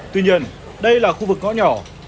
tuy nhiên đây là khu vực ngõ nhỏ